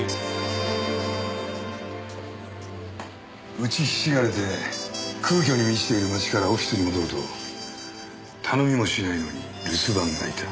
打ちひしがれて空虚に満ちている街からオフィスに戻ると頼みもしないのに留守番がいた。